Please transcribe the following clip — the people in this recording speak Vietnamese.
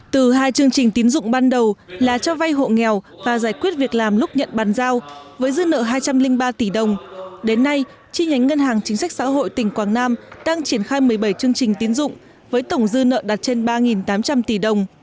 từ hai chương trình tín dụng ban đầu là cho vay hộ nghèo và giải quyết việc làm lúc nhận bàn giao với dư nợ hai trăm linh ba tỷ đồng đến nay chi nhánh ngân hàng chính sách xã hội tỉnh quảng nam đang triển khai một mươi bảy chương trình tín dụng với tổng dư nợ đạt trên ba tám trăm linh tỷ đồng